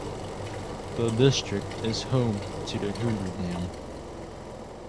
The district is home to the Hoover Dam.